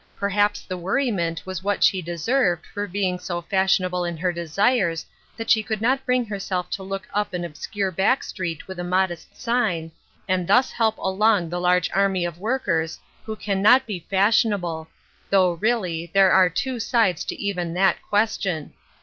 Perhaps the worriment was what she deserved for being so fashionable in her desires that she could not bring herself to look up au obscure back street with a modest sign, and than 337 838 Ruth Erskine^s Crosses, help along the large army of workers, who can Qot be fashionable — though really, there are two sides to even that question.